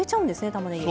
たまねぎを。